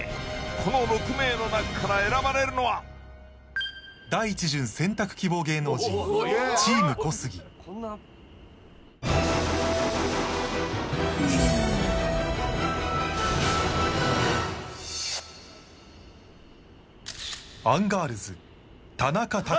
この６名の中から選ばれるのは第１巡選択希望芸能人チーム小杉えっやったー！